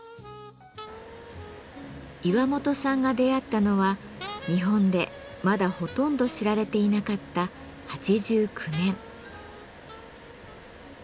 岩本さんが出会ったのは日本でまだほとんど知られていなかった８９年。